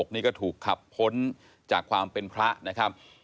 นี่ก็ถูกขับพ้นจากความเป็นพระนะครับ